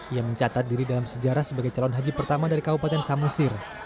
ia mencatat diri dalam sejarah sebagai calon haji pertama dari kabupaten samosir